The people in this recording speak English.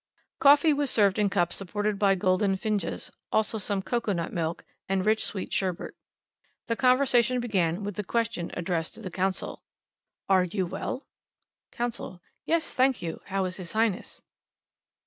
Coffee was served in cups supported by golden finjans, also some cocoa nut milk, and rich sweet sherbet. The conversation began with the question addressed to the Consul. "Are you well?" Consul. "Yes, thank you. How is His Highness?"